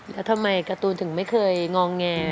แล้วทำไมการ์ตูนถึงไม่เคยงอแง